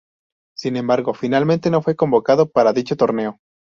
Sin embargo, finalmente no fue convocado para dicho torneo.